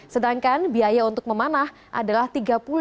sedangkan biaya untuk memanah adalah rp tiga puluh lima